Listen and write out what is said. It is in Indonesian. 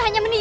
raja ibu nda